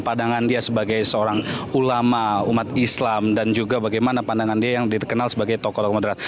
pandangan dia sebagai seorang ulama umat islam dan juga bagaimana pandangan dia yang dikenal sebagai tokoh moderat